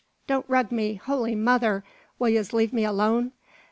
don't rug me! Holy Mother! will yez let me alone?